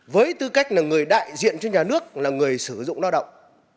với tư cách là người đại diện cho nhà nước là người sử dụng lao động